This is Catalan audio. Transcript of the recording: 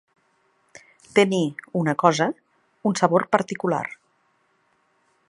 Tenir, una cosa, un sabor particular.